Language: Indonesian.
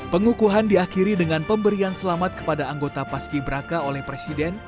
pengukuhan diakhiri dengan pemberian selamat kepada anggota paski braka oleh presiden